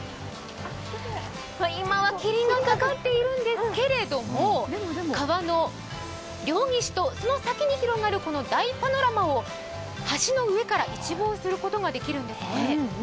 今は霧がかかっているんですけれども、川の両岸とその先に広がる大パノラマを橋の上から一望することができるんですね。